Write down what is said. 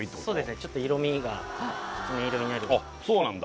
ちょっと色味がきつね色になるそうなんだ